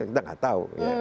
kita nggak tahu